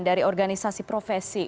dari organisasi profesi